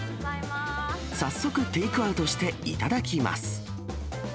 早速、テイクアウトして頂きます。